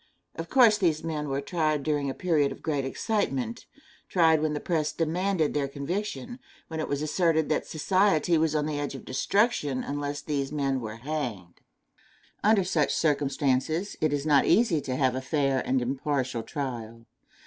Of course these men were tried during a period of great excitement tried when the press demanded their conviction when it was asserted that society was on the edge of destruction unless these men were hanged. Under such circumstances, it is not easy to have a fair and impartial trial.